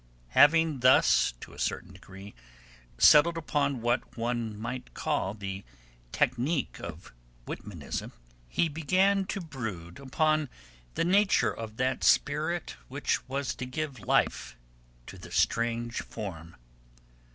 Having thus, to a certain degree, settled upon what one might call the 'technique' of Whitmanism, he began to brood upon the nature of that spirit which was to give life to the strange form.